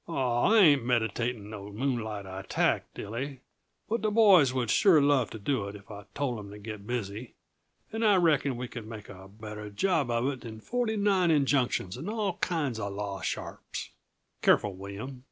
"Aw, I ain't meditating no moonlight attack, Dilly but the boys would sure love to do it if I told 'em to get busy, and I reckon we could make a better job of it than forty nine injunctions and all kinds uh law sharps." "Careful, William.